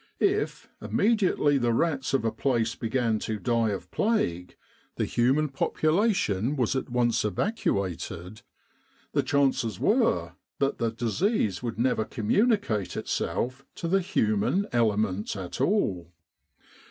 If, immediately the rats of a place began to die of plague, the human population was at once evacuated, the chances were that the 1 88 Epidemic Diseases disease would never communicate itself to the human element at all.